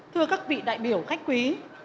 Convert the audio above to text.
thưa các vị đại biểu khách quý